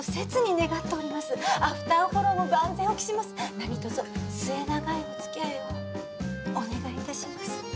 何とぞ末永いおつきあいをお願い致します。